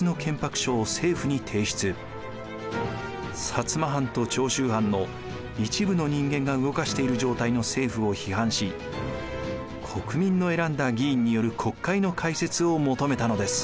摩藩と長州藩の一部の人間が動かしている状態の政府を批判し国民の選んだ議員による国会の開設を求めたのです。